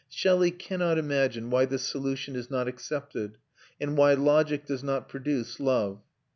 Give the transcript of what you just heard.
Shelley cannot imagine why this solution is not accepted, and why logic does not produce love.